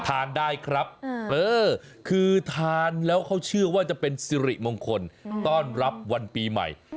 ทานได้ครับคือทานแล้วเขาเชื่อว่าจะเป็นสิริมงคลต้อนรับวันปีใหม่